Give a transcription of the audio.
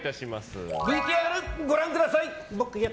ＶＴＲ、ご覧ください！